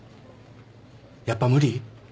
やっぱ無理？